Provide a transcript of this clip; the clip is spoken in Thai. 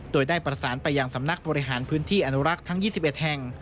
โดยได้ประสานไปยังสำนักบริหารพื้นที่อนุรักษ์ทั้ง๒๑แห่ง